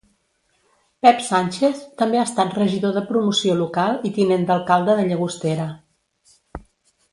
Pep Sánchez també ha estat regidor de promoció local i tinent d'alcalde de Llagostera.